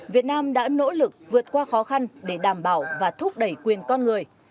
việt nam đã nỗ lực vượt qua khó khăn để đảm bảo và thúc đẩy quyền con người